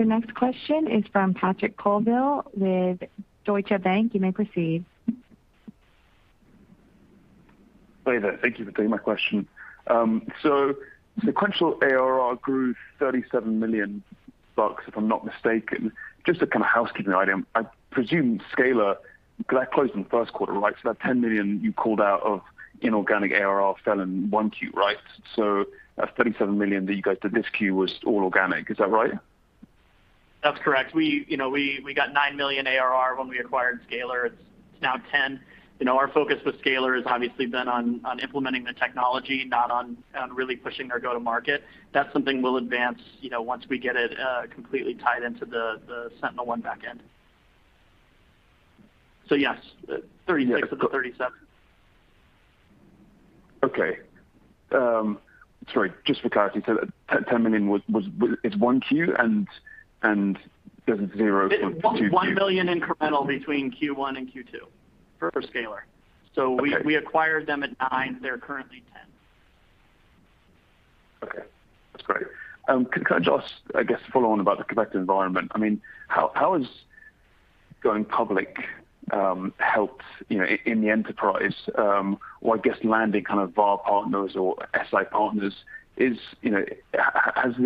The next question is from Patrick Colville with Deutsche Bank. You may proceed. Hey there. Thank you for taking my question. Sequential ARR grew $37 million, if I'm not mistaken. Just a kind of housekeeping item. I presume Scalyr closed in the first quarter, right? That $10 million you called out of inorganic ARR fell in 1Q, right? That $37 million that you guys did this Q was all organic, is that right? That's correct. We got $9 million ARR when we acquired Scalyr. It's now $10 million. Our focus with Scalyr has obviously been on implementing the technology, not on really pushing our go-to market. That's something we'll advance once we get it completely tied into the SentinelOne backend. Yes, $36 million of the 37$ million. Okay. Sorry, just for clarity, that $10 million, it's 1Q, there's..... $1 million incremental between Q1 and Q2 for Scalyr. Okay. We acquired them at $9 million. They're currently $10 million. Okay. That's great. Can I just, I guess, follow on about the competitive environment? How has going public helped in the enterprise? I guess landing kind of VAR partners or SI partners. Has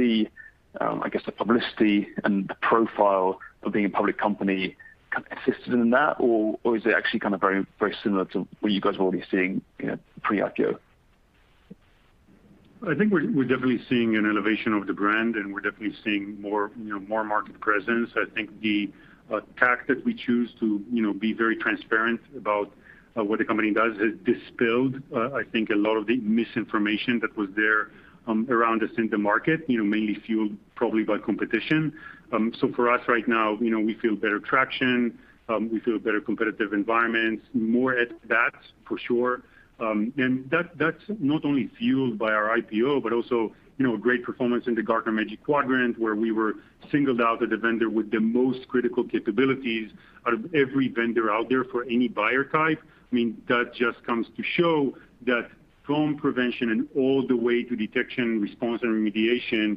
the publicity and the profile of being a public company kind of assisted in that, or is it actually very similar to what you guys were already seeing pre-IPO? I think we're definitely seeing an elevation of the brand, and we're definitely seeing more market presence. I think the tact that we choose to be very transparent about what the company does has dispelled, I think, a lot of the misinformation that was there around us in the market, mainly fueled probably by competition. For us right now, we feel better traction. We feel better competitive environments, more at bats for sure. That's not only fueled by our IPO, but also great performance in the Gartner Magic Quadrant, where we were singled out as the vendor with the most critical capabilities out of every vendor out there for any buyer type. That just comes to show that from prevention and all the way to detection, response, and remediation,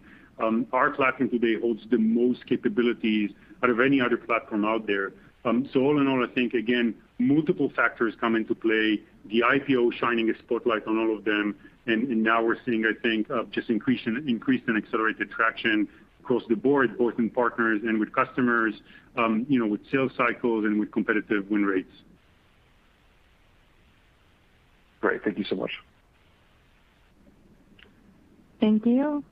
our platform today holds the most capabilities out of any other platform out there. All in all, I think, again, multiple factors come into play, the IPO shining a spotlight on all of them. Now we're seeing, I think, just increased and accelerated traction across the board, both in partners and with customers, with sales cycles and with competitive win rates. Great. Thank you so much. Thank you.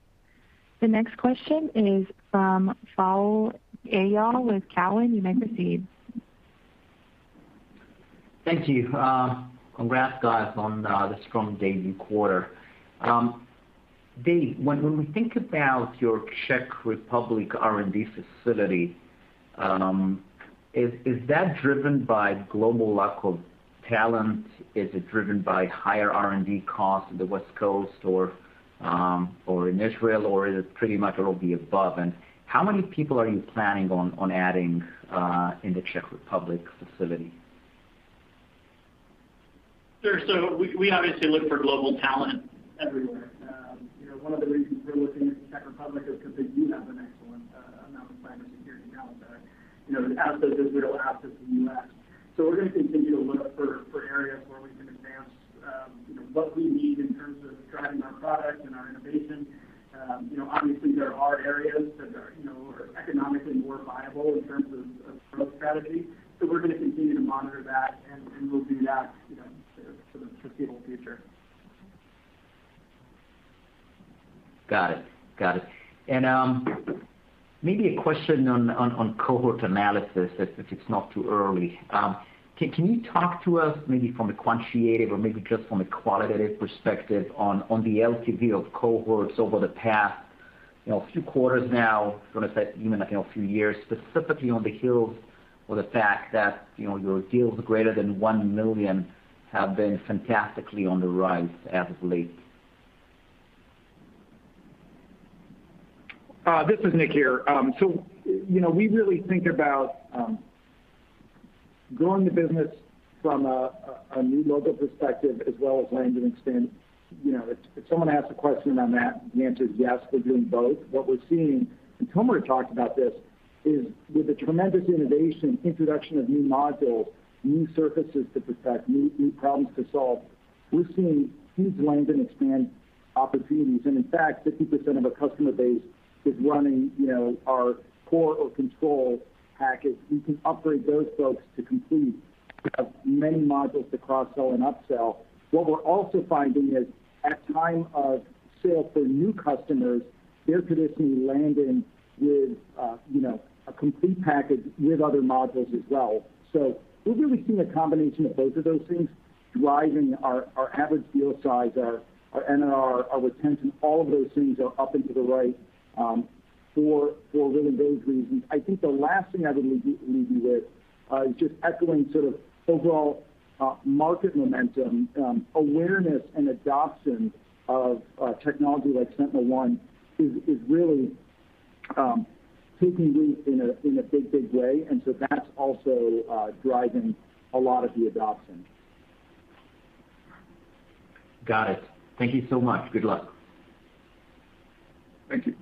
The next question is from Shaul Eyal with Cowen. You may proceed. Thank you. Congrats, guys, on the strong debut quarter. Dave, when we think about your Czech Republic R&D facility, is that driven by global lack of talent? Is it driven by higher R&D costs in the West Coast or in Israel, or is it pretty much all of the above? How many people are you planning on adding in the Czech Republic facility? Sure. We obviously look for global talent everywhere. One of the reasons we're looking at the Czech Republic is because they do have an excellent amount of cybersecurity talent there, as does Israel, as does the U.S. We're going to continue to look for areas where we can advance what we need in terms of driving our product and our innovation. Obviously, there are areas that are economically more viable in terms of growth strategy. We're going to continue to monitor that, and we'll do that for the foreseeable future. Got it. Maybe a question on cohort analysis, if it's not too early. Can you talk to us maybe from a quantitative or maybe just from a qualitative perspective on the LTV of cohorts over the past few quarters now, I was going to say even a few years, specifically on the heels of the fact that your deals greater than $1 million have been fantastically on the rise as of late? This is Nick here. We really think about growing the business from a new logo perspective as well as landing extent. If someone asked a question on that, the answer is yes, we're doing both. What we're seeing, and Tomer talked about this, is with the tremendous innovation, introduction of new modules, new surfaces to protect, new problems to solve. We're seeing huge land and expand opportunities. In fact, 50% of our customer base is running our Core or Control package. We can upgrade those folks to Complete. We have many modules to cross-sell and up-sell. What we're also finding is at time of sale for new customers, they're traditionally landing with a Complete package with other modules as well. We're really seeing a combination of both of those things driving our average deal size, our NRR, our retention. All of those things are up and to the right for really those reasons. I think the last thing I would leave you with is just echoing sort of overall market momentum. Awareness and adoption of a technology like SentinelOne is really taking root in a big way. That's also driving a lot of the adoption. Got it. Thank you so much. Good luck. Thank you.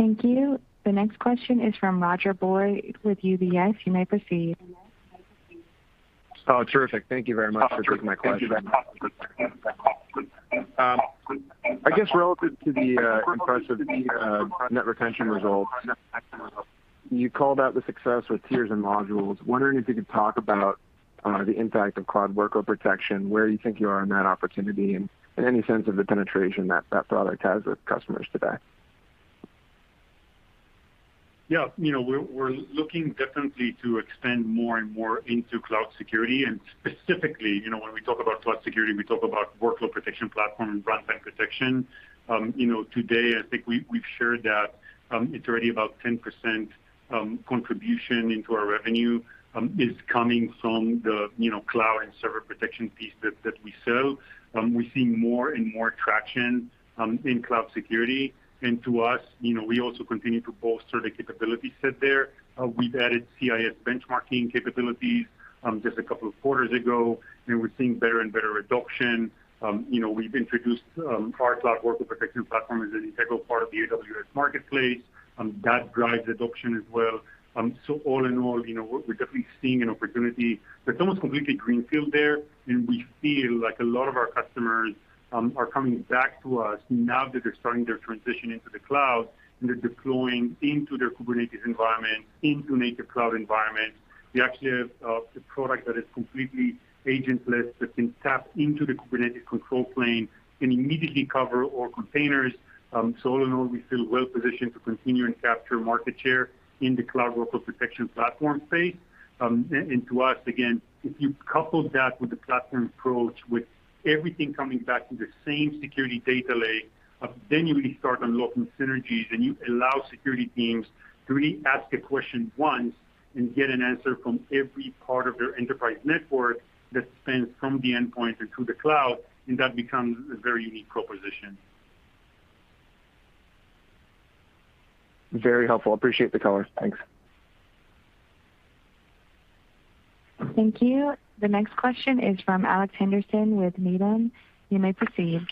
Thank you. The next question is from Roger Boyd with UBS. You may proceed. Oh, terrific. Thank you very much for taking my question. I guess relative to the impressive net retention results, you called out the success with tiers and modules. Wondering if you could talk about the impact of cloud workload protection, where you think you are in that opportunity, and any sense of the penetration that that product has with customers today? Yeah. We're looking definitely to expand more and more into cloud security. Specifically, when we talk about cloud security, we talk about workload protection platform and runtime protection. Today, I think we've shared that it's already about 10% contribution into our revenue is coming from the cloud and server protection piece that we sell. We're seeing more and more traction in cloud security. To us, we also continue to bolster the capability set there. We've added CIS benchmarking capabilities just a couple of quarters ago, and we're seeing better and better adoption. We've introduced our cloud workload protection platform as an integral part of the AWS marketplace. That drives adoption as well. All in all, we're definitely seeing an opportunity. It's almost completely greenfield there. We feel like a lot of our customers are coming back to us now that they're starting their transition into the cloud, and they're deploying into their Kubernetes environment, into native cloud environments. We actually have the product that is completely agentless, that can tap into the Kubernetes control plane and immediately cover all containers. All in all, we feel well positioned to continue and capture market share in the cloud workload protection platform space. To us, again, if you couple that with the platform approach, with everything coming back to the same security data lake, then you really start unlocking synergies, and you allow security teams to really ask a question once and get an answer from every part of their enterprise network that spans from the endpoint through to the cloud, and that becomes a very unique proposition. Very helpful. Appreciate the color. Thanks. Thank you. The next question is from Alex Henderson with Needham. You may proceed.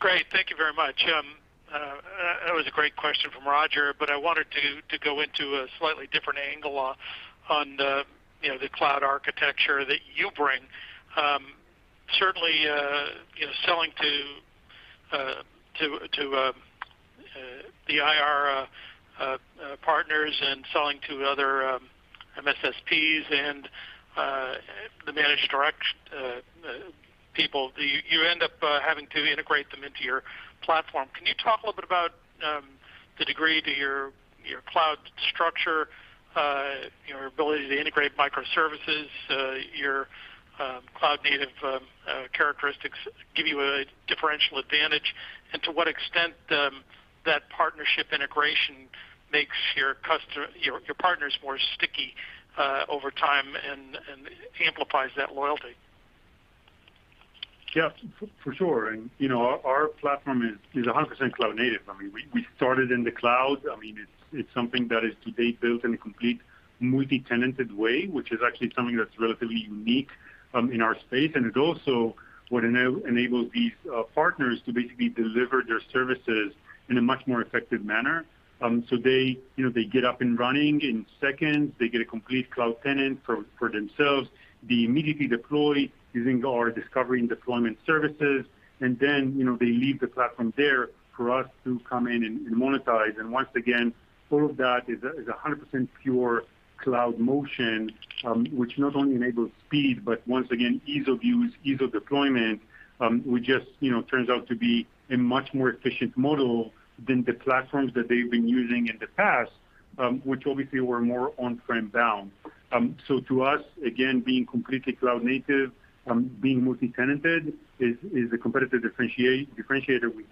Great. Thank you very much. That was a great question from Roger. I wanted to go into a slightly different angle on the cloud architecture that you bring. Certainly selling to the IR partners and selling to other MSSPs and the MDR people, you end up having to integrate them into your platform. Can you talk a little bit about the degree to your cloud structure, your ability to integrate microservices, your cloud-native characteristics give you a differential advantage, and to what extent that partnership integration makes your partners more sticky over time and amplifies that loyalty? Yeah. For sure. Our platform is 100% cloud native. We started in the cloud. It's something that is today built in a complete multi-tenanted way, which is actually something that's relatively unique in our space. It also would enable these partners to basically deliver their services in a much more effective manner. They get up and running in seconds. They get a complete cloud tenant for themselves. They immediately deploy using our discovery and deployment services. They leave the platform there for us to come in and monetize. Once again, all of that is 100% pure cloud motion, which not only enables speed, but once again, ease of use, ease of deployment, which just turns out to be a much more efficient model than the platforms that they've been using in the past, which obviously were more on-prem bound. To us, again, being completely cloud native, being multi-tenanted is a competitive differentiator we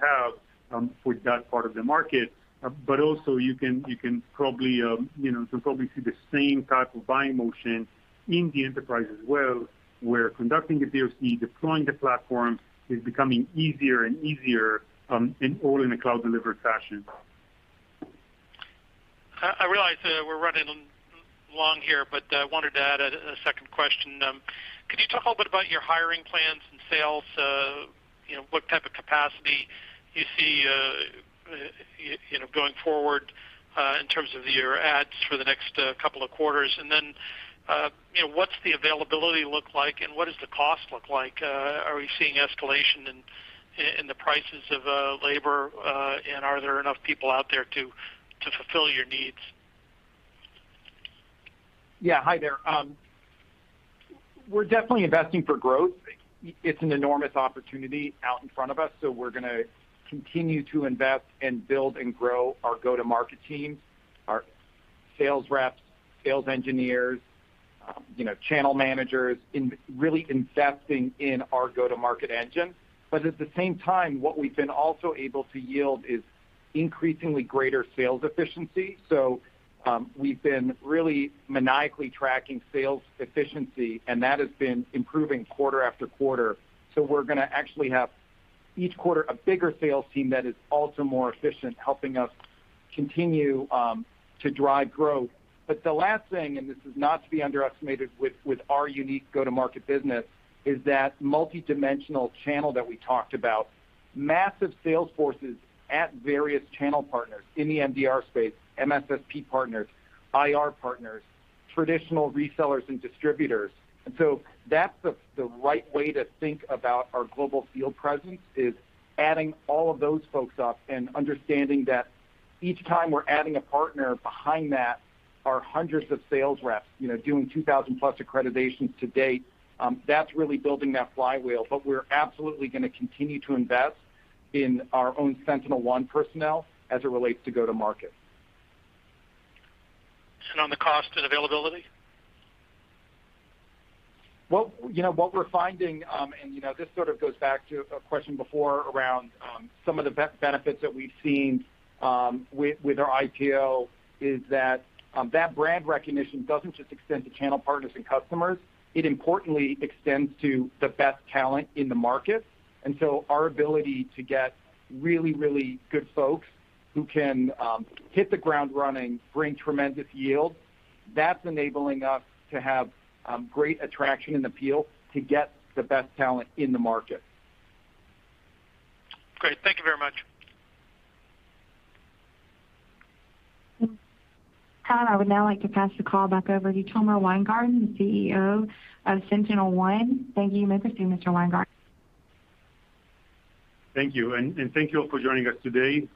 have for that part of the market. Also you can probably see the same type of buying motion in the enterprise as well, where conducting a POC, deploying the platform is becoming easier and easier, and all in a cloud-delivered fashion. I realize we're running long here, I wanted to add a second question. Can you talk a little bit about your hiring plans and sales? What type of capacity you see going forward? In terms of your ads for the next couple of quarters, what's the availability look like and what does the cost look like? Are we seeing escalation in the prices of labor? Are there enough people out there to fulfill your needs? Yeah. Hi there. We're definitely investing for growth. It's an enormous opportunity out in front of us, so we're going to continue to invest in, build, and grow our go-to-market team, our sales reps, sales engineers, channel managers. In really investing in our go-to-market engine. At the same time, what we've been also able to yield is increasingly greater sales efficiency. We've been really maniacally tracking sales efficiency, and that has been improving quarter after quarter. We're going to actually have, each quarter, a bigger sales team that is also more efficient, helping us continue to drive growth. The last thing, and this is not to be underestimated with our unique go-to-market business, is that multidimensional channel that we talked about, massive sales forces at various channel partners in the MDR space, MSSP partners, IR partners, traditional resellers, and distributors. That's the right way to think about our global field presence, is adding all of those folks up and understanding that each time we're adding a partner, behind that are hundreds of sales reps doing 2,000+ accreditations to date. That's really building that flywheel. We're absolutely going to continue to invest in our own SentinelOne personnel as it relates to go-to-market. On the cost and availability? What we're finding, this sort of goes back to a question before around some of the benefits that we've seen with our IPO, is that that brand recognition doesn't just extend to channel partners and customers. It importantly extends to the best talent in the market. Our ability to get really, really good folks who can hit the ground running, bring tremendous yield, that's enabling us to have great attraction and appeal to get the best talent in the market. Great. Thank you very much. I would now like to pass the call back over to Tomer Weingarten, the CEO of SentinelOne. Thank you. You may proceed, Mr. Weingarten. Thank you. Thank you all for joining us today.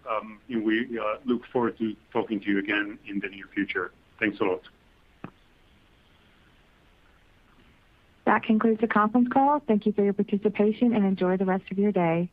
We look forward to talking to you again in the near future. Thanks a lot. That concludes the conference call. Thank you for your participation, and enjoy the rest of your day.